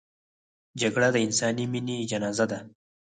جګړه د انساني مینې جنازه ده